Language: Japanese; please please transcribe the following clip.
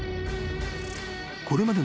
［これまでの事件